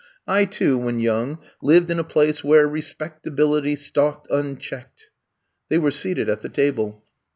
I, too, when young, lived in a place where respectabil ity stalked unchecked'' They were seated at the table.